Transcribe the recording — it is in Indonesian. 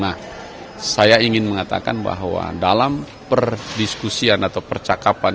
nah saya ingin mengatakan bahwa dalam perdiskusian atau percakapan